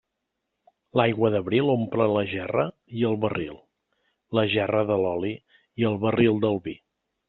L'aigua d'abril omple la gerra i el barril; la gerra de l'oli i el barril del vi.